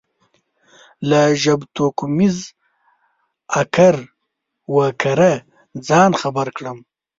له ژبتوکمیز اکر و کره ځان خبر کړم.